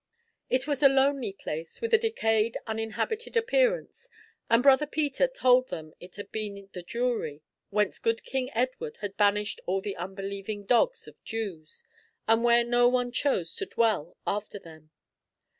It was a lonely place, with a decayed uninhabited appearance, and Brother Peter told them it had been the Jewry, whence good King Edward had banished all the unbelieving dogs of Jews, and where no one chose to dwell after them.